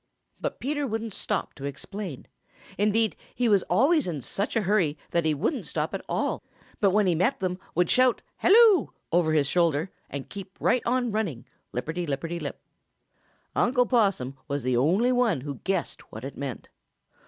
But Peter wouldn't stop to explain. Indeed, he was always in such a hurry that he wouldn't stop at all, but when he met them would shout "Hello!" over his shoulder and keep right on running, lip perty lipperty lip. Unc' Possum was the only one who guessed what it meant.